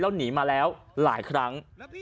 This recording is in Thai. แล้วหนีมาแล้วหลายครั้ง